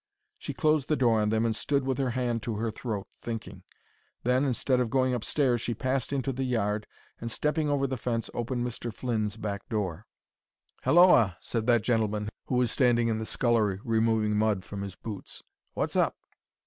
She closed the door on them and stood with her hand to her throat, thinking. Then, instead of going upstairs, she passed into the yard and, stepping over the fence, opened Mr. Flynn's back door. "Halloa!" said that gentleman, who was standing in the scullery removing mud from his boots. "What's up?"